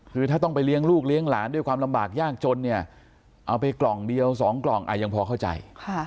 คือถ้าต้องไปเลี้ยงลูกเลี้ยงหลานด้วยความลำบากยากจนเนี่ยเอาไปกล่องเดียว๒กล่องยังพอเข้าใจ